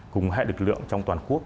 cùng hệ lực lượng trong toàn quốc